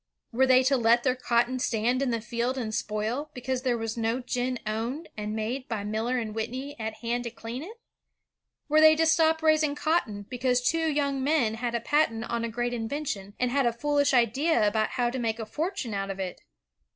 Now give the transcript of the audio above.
Were they to let their cotton stand in the field and spoil, because there was no gin owned and made by Miller and Whitney at hand to clean it? Were they to stop raising cotton, because two young men had a patent on a great invention, and had a foolish idea about how to make a fortune out of it?